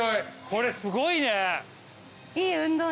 これすごいね。